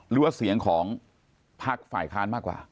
หรือว่าเสียงของพักฝ่ายค้านมากกว่า